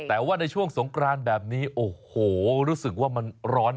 แต่ว่าในช่วงสงกรานแบบนี้โอ้โหรู้สึกว่ามันร้อน